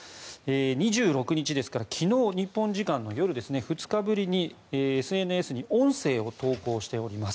２６日ですから日本時間の昨日夜２日ぶりにＳＮＳに音声を投稿しております。